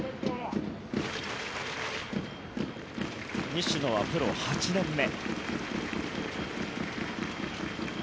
西野はプロ８年目。